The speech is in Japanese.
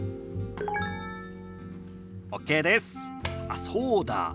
あっそうだ。